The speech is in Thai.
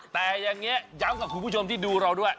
แต่อย่างนี้ย้ำกับคุณผู้ชมที่ดูเราด้วย